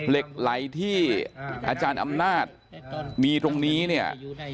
เหล็กไหลที่อาจารย์อำนาจมีตรงนี้เนี่ย